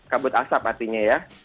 kabut asap artinya ya